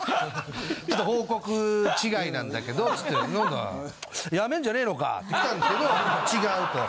「ちょっと報告違いなんだけど」っつって「何だ。辞めんじゃねえのか？」ってきたんですけど「違う」と。